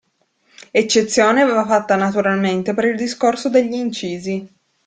Eccezione va fatta naturalmente per il discorso degli incisi.